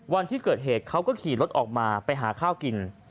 วันที่เกิดเหตุเขาก็ขี่รถออกมาไปหาข้าวกิน